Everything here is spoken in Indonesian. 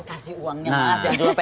kasih uangnya banget ya